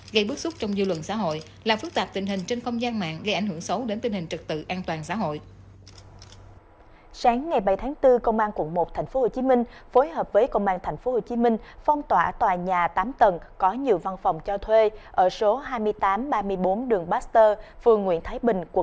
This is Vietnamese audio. gây bức xúc trong dư luận xã hội làm phức tạp tình hình trên không gian mạng gây ảnh hưởng xấu đến tình hình trực tự an toàn xã hội